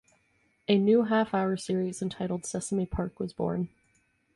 A new half-hour series entitled "Sesame Park" was born.